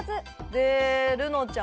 でるのちゃん。